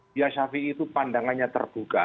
buya syafi'i itu pandangannya terbuka